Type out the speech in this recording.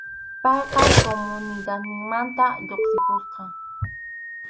Payqa comunidadninmanta lluqsimusqa.